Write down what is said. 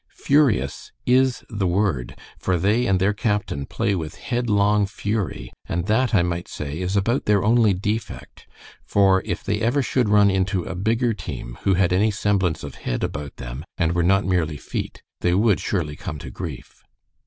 'Furious' is the word, for they and their captain play with headlong fury, and that, I might say, is about their only defect, for if they ever should run into a bigger team, who had any semblance of head about them, and were not merely feet, they would surely come to grief.